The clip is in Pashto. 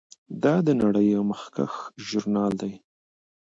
دا د نړۍ یو مخکښ ژورنال دی.